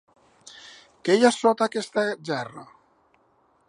Què hi ha sota aquesta gerra?